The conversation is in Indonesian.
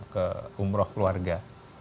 ke umroh keluarga